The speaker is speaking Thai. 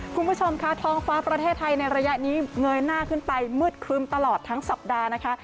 คุณผู้ชมค่ะท้องฟ้าประเทศไทยในระยะนี้เงยหน้าขึ้นไปมืดครึ้มตลอดทั้งสัปดาห์นะคะ